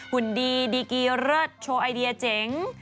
หุ่นดีดีกีเลิศโชว์ไอเดียเจ๋ง